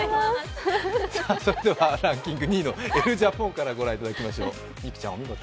それではランキング２位のエル・ジャポンからご覧いただきましょう。